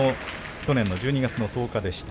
去年の１２月１０日でした。